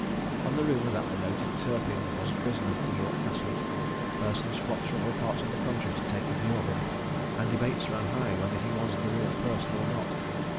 On the rumour that the noted Turpin was a prisoner in York Castle, persons flocked from all parts of the country to take a view of him, and debates ran high whether he was the real person or not.